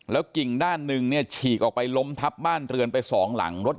แล้วกลิ่งด้านนึงเนี่ยฉีกออกไปล้มทับบ้านเรือนไป๒หลังรถยนต์